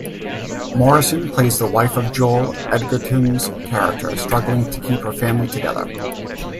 Morrison plays the wife of Joel Edgerton's character, struggling to keep her family together.